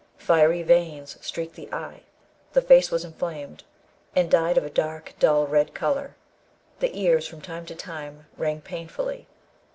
Fiery veins streaked the eye; the face was inflamed, and dyed of a dark dull red colour; the ears from time to time rang painfully.